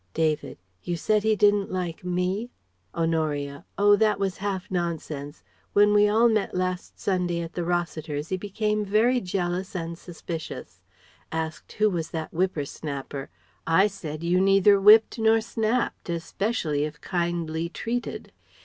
David: "You said he didn't like me..." Honoria: "Oh that was half nonsense. When we all met last Sunday at the Rossiters he became very jealous and suspicious. Asked who was that whipper snapper I said you neither whipped nor snapped, especially if kindly treated.